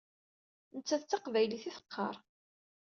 Nettat d taqbaylit i teqqaṛ.